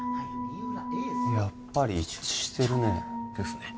やっぱり一致してるねですね